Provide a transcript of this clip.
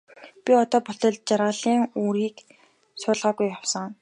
Би одоо болтол жаргалын үрийг суулгаагүй явсан.